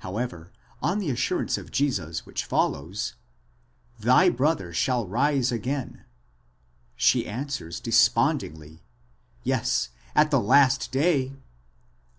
However, on the assurance of Jesus which follows, Zhy brother shall rise again, ἀναστήσεται ὃ ἀδελφός σου, she answers despondingly, Yes, at the last day.